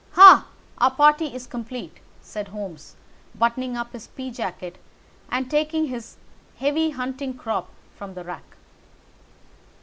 "Ha! Our party is complete," said Holmes, buttoning up his pea jacket and taking his heavy hunting crop from the rack.